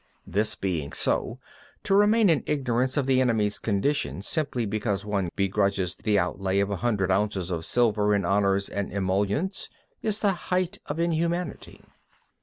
This being so, to remain in ignorance of the enemy's condition simply because one grudges the outlay of a hundred ounces of silver in honours and emoluments, is the height of inhumanity.